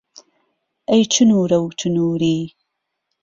ئەی چنوورە و چنووری